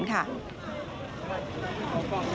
สวัสดีครับทุกคน